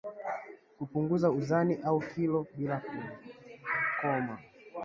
Kupunguza uzani au kilo bila kukoma